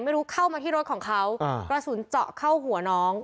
เข้ามาที่รถของเขากระสุนเจาะเข้าหัวน้อง